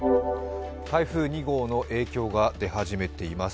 台風２号の影響が出始めています。